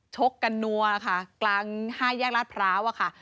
ชกกันนัวค่ะกลาง๕แยกลาดพร้าวอะค่ะ